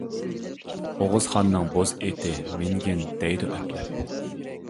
ئوغۇزخاننىڭ بوز ئېتى مىنگىن دەيدۇ ئەپلەپ.